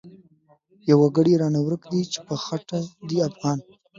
يو وګړی رانه ورک دی چی په خټه دی افغان